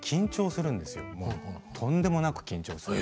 とんでもなく緊張する。